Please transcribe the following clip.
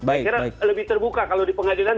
akhirnya lebih terbuka kalau di pengadilan